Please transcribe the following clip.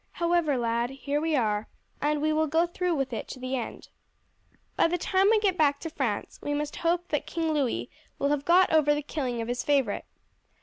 However, lad, here we are, and we will go through with it to the end. By the time we get back to France we must hope that King Louis will have got over the killing of his favourite.